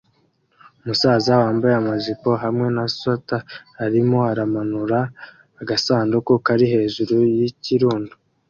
Umusaza wambaye amajipo hamwe na swater arimo aramanura agasanduku kari hejuru yikirundo